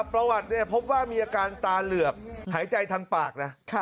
ประวัติพบว่ามีอาการตาเหลือกหายใจทางปากนะ